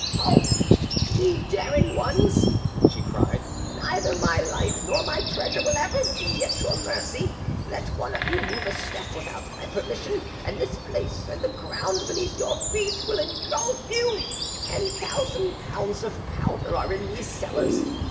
"Halt! ye daring ones," she cried; "neither my life nor my treasure will ever be at your mercy. Let one of you move a step without my permission, and this place and the ground beneath your feet' will engulf you. Ten thousand pounds of powder are in these cellars.